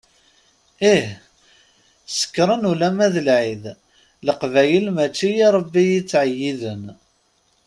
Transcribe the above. Ih, sekkṛen ulamma d lεid, Leqbayel mačči i Rebbi i ttεeyyiden.